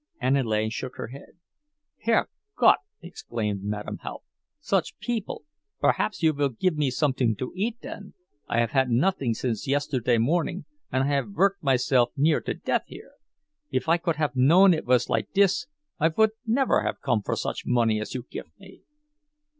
Aniele shook her head. "Herr Gott!" exclaimed Madame Haupt. "Such people! Perhaps you vill give me someting to eat den—I haf had noffing since yesterday morning, und I haf vorked myself near to death here. If I could haf known it vas like dis, I vould never haf come for such money as you gif me."